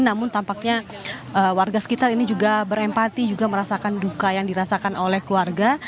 namun tampaknya warga sekitar ini juga berempati juga merasakan duka yang dirasakan oleh keluarga